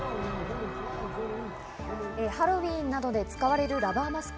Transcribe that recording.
ハロウィーンなどで使われるラバーマスク。